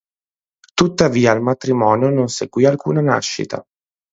Tuttavia al matrimonio non seguì alcuna nascita.